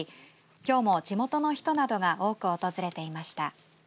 きょうも地元の人などが多く訪れていました。